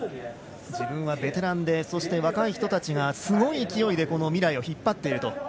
自分はベテランで若い人たちがすごい勢いで未来を引っ張っていると。